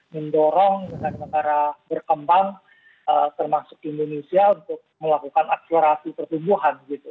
mendorong negara negara berkembang termasuk indonesia untuk melakukan akselerasi pertumbuhan gitu